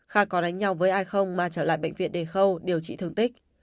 kha có đánh nhau với ai không mà trở lại bệnh viện đề khâu điều trị thương tích